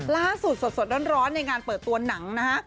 ล่าสุดสดร้อนในงานเปิดตัวหนังนะฮะ